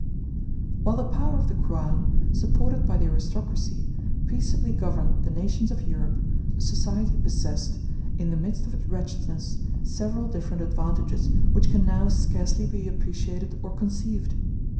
While the power of the Crown, supported by the aristocracy, peaceably governed the nations of Europe, society possessed, in the midst of its wretchedness, several different advantages which can now scarcely be appreciated or conceived.